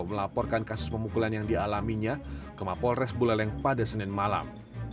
melaporkan kasus pemukulan yang dialaminya ke mapolres buleleng pada senin malam